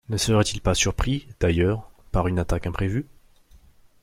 Ne seraient-ils pas surpris, d’ailleurs, par une attaque imprévue?